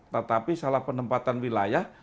tetapi salah penempatan wilayah